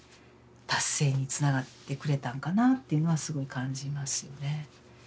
達成につながってくれたんかなっていうのはすごい感じますよね。